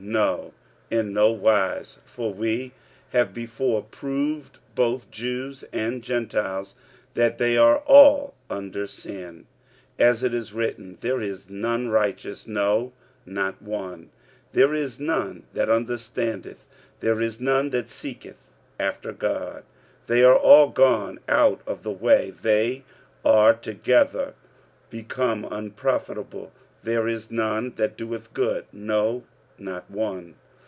No, in no wise: for we have before proved both Jews and Gentiles, that they are all under sin; 45:003:010 As it is written, There is none righteous, no, not one: 45:003:011 There is none that understandeth, there is none that seeketh after God. 45:003:012 They are all gone out of the way, they are together become unprofitable; there is none that doeth good, no, not one.